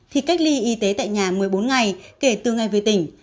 thì cách ly y tế tại nhà một mươi bốn ngày kể từ ngày về tỉnh